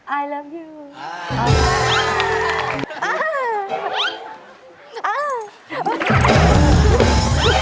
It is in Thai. อายรับคุณอาย